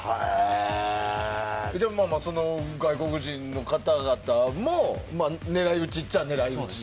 でも外国人の方々も狙い撃ちといっちゃ狙い撃ち。